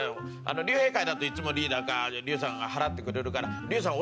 竜兵会だといつもリーダーか竜さんが払ってくれるから「竜さん